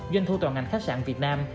doanh thu toàn ngành khách sạn việt nam